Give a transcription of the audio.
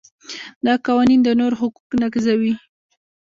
دا قوانین د نورو حقوق نقضوي.